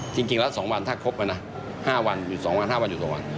จริงแล้ว๒วันถ้าครบไปนะ๕วันหยุด๒วัน๕วันหยุด๒วัน